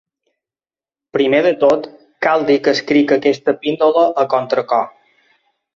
Primer de tot, cal dir que escric aquesta píndola a contracor.